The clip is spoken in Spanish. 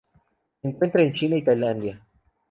Se encuentran en China y Tailandia.